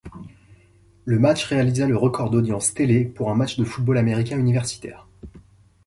Le match réalisa le record d'audience télé pour un match de football américain universitaire.